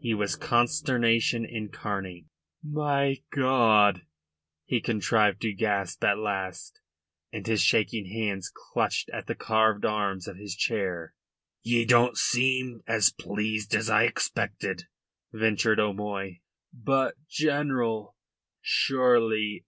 He was consternation incarnate. "My God!" he contrived to gasp at last, and his shaking hands clutched at the carved arms of his chair. "Ye don't seem as pleased as I expected," ventured O'Moy. "But, General, surely...